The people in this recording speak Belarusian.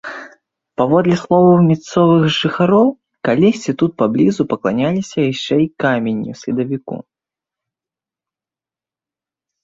Паводле словаў мясцовых жыхароў, калісьці тут паблізу пакланяліся яшчэ і каменю-следавіку.